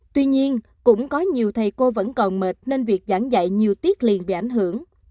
tuy nhiên cũng có nhiều thầy cô vẫn còn mệt nên việc giảng dạy nhiều tiết liền bị ảnh hưởng